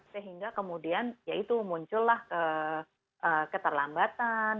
sehingga kemudian ya itu muncullah keterlambatan